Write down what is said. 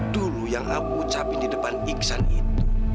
dulu yang aku ucapin di depan iksan itu